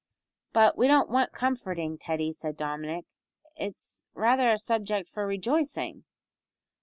"But we don't want comforting, Teddy," said Dominick, "it is rather a subject for rejoicing."